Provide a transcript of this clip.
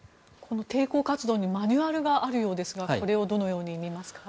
抵抗活動にマニュアルがあるようですがこれをどのように見ますか？